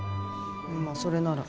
まあそれなら。